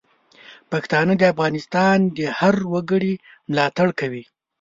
پښتانه د افغانستان د هر وګړي ملاتړ کوي.